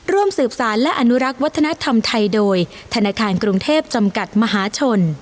ร่วมสืบสารและอนุรักษ์วัฒนธรรมไทยโดยธนาคารกรุงเทพจำกัดมหาชน